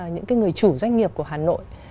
những cái người chủ doanh nghiệp của hà nội